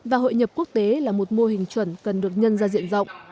và hội nhập quốc tế là một mô hình chuẩn cần được nhân ra diện rộng